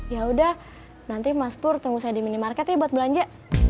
ya udah nanti mas pur tunggu saya di minimarket ya buat belanja